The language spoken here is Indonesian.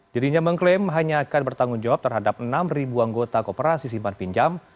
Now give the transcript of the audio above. dirinya mengklaim hanya akan bertanggung jawab terhadap enam anggota kooperasi simpan pinjam